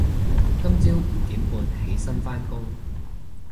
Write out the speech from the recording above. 今朝五點半起身返工